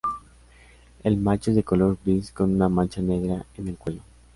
El macho es de color gris con una mancha negra en el cuello.